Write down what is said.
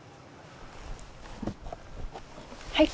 はい！